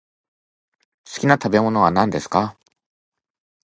好きな食べ物は何ですか？